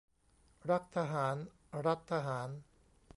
รักทหาร รัฐทหาร